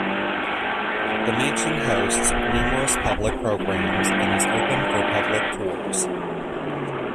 The mansion hosts numerous public programs, and is open for public tours.